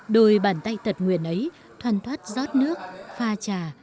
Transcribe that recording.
đôi bàn tay tật nguyền ấy thoàn thoát giót nước pha trà